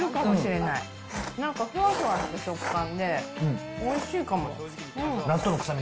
なんかふわふわした食感で、おいしいかも。